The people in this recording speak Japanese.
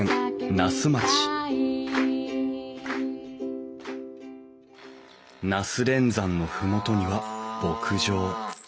那須町那須連山の麓には牧場。